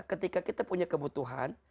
ketika kita punya kebutuhan